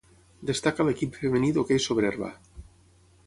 Destaca l'equip femení d'hoquei sobre herba.